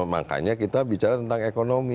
makanya kita bicara tentang ekonomi